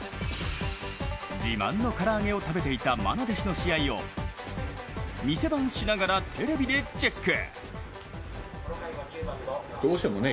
自慢の唐揚げを食べていたまな弟子の試合を、店番しながらテレビでチェック。